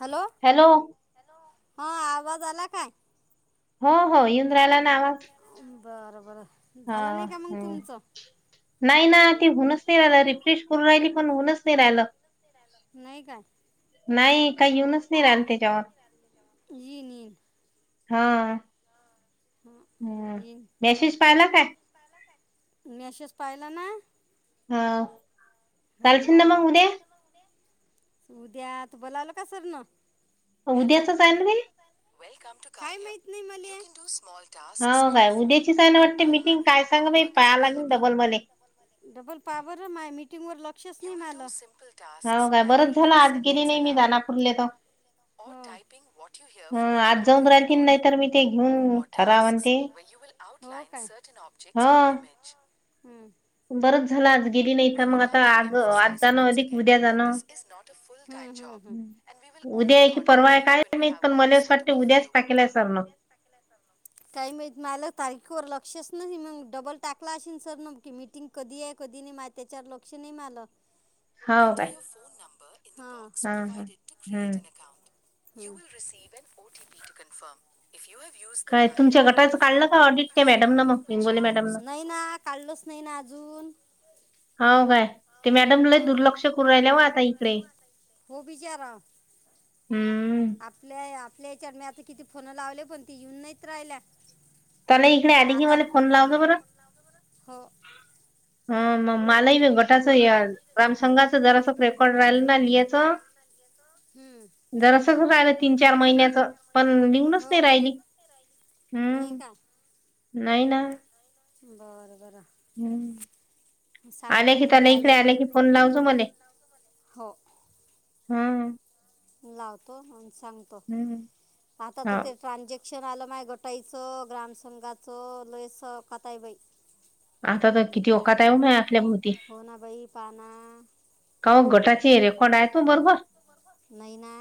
Hello hello hello हा आवाज आला काय हो हो येऊन राहिला नावा बरं बर झालं नाही का मग हम्म तुमचं नाही ना ते होऊनच नाही राला रिफ्रेश करू राहिली पण होऊनच नाही राहिलं नाही काय नाही काही येऊनच नाही राहिल त्याच्यावर येीन येईन हा ह हम्म मेसेज पाहिला काय मी अशेच पाहिला ना हा हो चालशील ना पाहिला मग उद्या तू उद्या तू बोलावल का सरन उद्या असं जायल वेलकम टू काय माह नाही म ट स्मॉ टास्क्स हो ऑन काय युअर फोन उद्याचीच आहे ना अँड वाटते अर्न मीटिंग मनी काय सांग वेन बाई वर्क इज पाया लागेल डबल मले अवेलेबल डबलवर माय मीटिंग वर लक्षच नाही मला हो टास्क्स काय लाईक बरंच झालं रीडिंग अ आज गेली सेंटेन्स नाही मी अलाउड दानापूरले तर or typing what you hear from हं, एन आज जाऊन ऑडिओ राहिली नाही तर मी ते रेिकॉर्डिंग घेऊन ऑडि ठराव आणि टस् ते वे यू ला सटन हा ऑबजेक्ट ऑन एन इमेज बरंच झाला आज गेली नाही मग आता आग आज जाो अदिक उद्या जाण उद्या की परवा काय नाहीत पण मला अस वाटत उद्याच टाकेला सरन स काही माहित माल तारीखेवर लक्षच नाही मग डबल टाकला असशल सर नकी मीटिंग कधी आहे कधी नाही मा त्या्याच्यावर लक्ष नाही मालं ए हो काय your phone number in the box हा हा provided to hmm create an अकौं [unintelligible] you will receive an O T P to confirm if you have use the काय कार्य तुमच्या ऍप गटाचं काढलं का बिफोर ऑडिट त्या मॅडमनं मग हिंगोली मॅडमनं [unintelligible] [unintelligible] नाही ना काढलच नाही ना अजून हो काय ते मॅडमला हा दुर्लक्ष करू राहिल्याव आता इकडे हो बिचारा हम्म आपल्या आपल्या याच्या म आता किती फोन लावले पण त येऊन नाहीत राहिल्या त नाही इकडे आली की आता मला फोन लावत बरं हो हम ममालय गट माला रेकॉर्ड बटाचंगाच राहिलं जरा ना पकड राहिल ना जर असच राहिलं तीन चार महिन्याचं पण लिहूनच नाही राहिली नाहीय हम्म का नाही ना बर हम्म बरं सांगतो आल्या की मग मी त्याला इकडे आले आल्या की फोन लावजो मले हो हम्म लावतो सांगतो हम्म आता हा तर ते ट्रानेक् शिक्षण आलं माय गोटाईचं ग्राम संंघाचं लोयस काताईबाई आता तर किती ओकात येऊय आपल्या भोवती हो ना बाई पहा ना का गटाचे रेकॉर्ड आहेत ना बरोबर नाही ना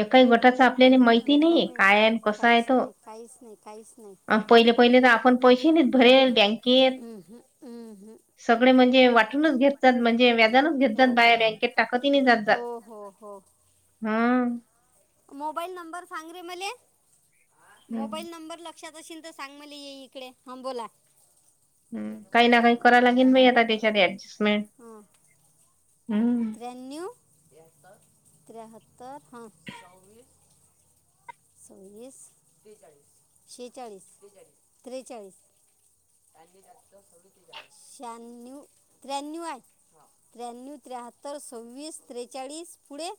एकाही गोटाचा आपल्याला माैती नाही काय आहे कसा आहे काहीच तो नाही काहीच नाही काहीच नाही अ पहिले पहिले तर आपण पैसे नाही भरल बँकेत उम्हम, उम्हम. सगळे म्हणजे वाटूनच घेतात म्हणजे घेत जात हो हो बाया बँकेत टाक जातात हो हो हो हम मोबाईल नंबर सांग रे मला हम्म मोबाईल नंबर लाक्ष पक्षात तर सांग मली येई इकडे हां बोला हम् काही ना काही कराय लागेल बा आता त्याच्यात ऍडजस्टमेंट हम्म तिरायणव त्रियात्र सव्वीसळीस शेचाळीस त्रेचाळीस शण्णव त्र्याण्णव आठ त्र्याण्नव ते्रेहत्तर च्वीस त्रेचाळीस पुढे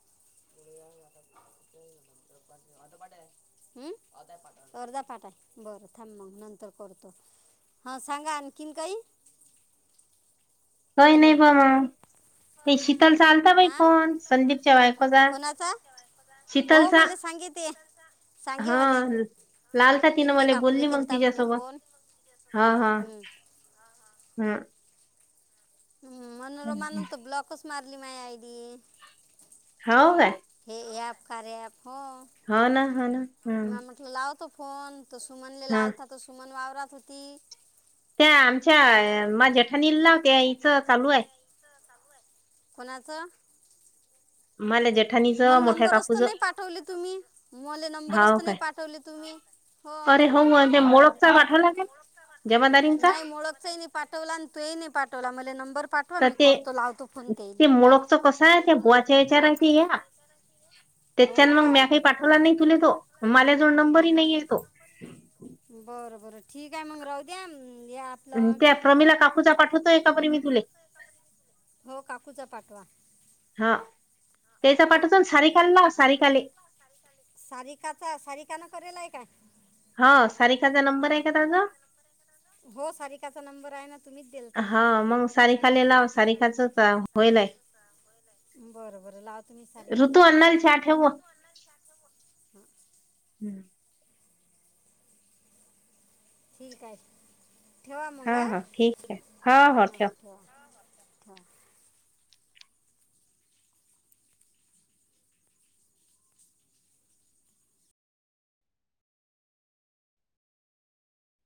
ते अर्धा पाट आहे बरं थांब मग नंतर करतो. हा सांगा आणखी काही का हॅलो नाही प म ते शीतल चालता बाई हां कोण संदीपच्या बायको जा कोणाचा? हो मला सांगी ते सांगे हा मले लालता तिनं इंगळे मला काकूले बोलली मग केलता म्हणे तिच्यासोबत फोन, हम्म हा हा हम्म हा हा हा ह मनोरमानंतर ब्लॉकच मारली माझ आयडी हो का? हे ॲप कार्य अँप हा ना हा ना हम्म म म्हटलं लावतो फोन त सुमनलेला हा आलता त सुमन वावरात होती त्या आमच्या माझ्या जेठा नीला नाव त्या इचं चालू आहे. कोणाचं? मला जट मला नंबर असत नाही पाठवले तुम्ही मला नंबर हाव असत नाही काय पाठवले तुम्ही! हो अरे मग ते मोळकचा पाठवला काय जमादारींचा नाहीळखच नाही पा पाठवला आणि तूही नाही पाठवला मला नंबर पाठवा मी करतो लावतो फोन ते येईल. कस आहे त्या बुवाच्या विचारां ते या त्याच्यान हो मग म काय काही पाठवला नाही तुला तो मला जोड नंबर बरं बरं ठीक आहे मग राहू द्या. आपलं त्या प्रमीला काकूचा पाठवतोय एकापरी मी तुले हो काकूचा पाठवा हा त्याचा हां पाठचून सार कााल ला सारीकााले सारी काचा सारी काना करेला आहे का ह सारखाचा नंबर आहे का तचाा हो सारिकाचा नंबर आहे ना तुम्हीच देलता सारीखालेलाव सारीखाचच होईल आहे बरं बरं लाव तु म्ी सारी काल लावतो ठेव हम्म ठीक आहे ठेवा मग हा हा ठीक आहे हा हो हां ठेव ठेवा [unintelligible]